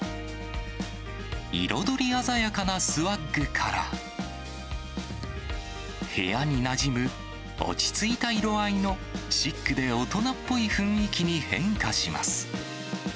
彩り鮮やかなスワッグから、部屋になじむ、落ち着いた色合いのシックで大人っぽい雰囲気に変化します。